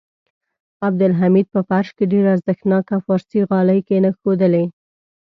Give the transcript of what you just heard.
عبدالحمید په فرش کې ډېر ارزښتناکه پارسي غالۍ کېښودلې.